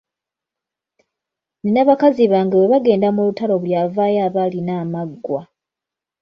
Nina bakazi bange bwe bagenda mu lutalo buli avaayo aba alina amaggwa.